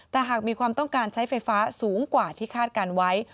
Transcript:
แต่หากมีความต้องการใช้ไฟฟ้าสูงกว่าที่คาดการณ์ไว้